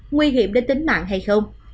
nguy hiểm đến tính mạng hay không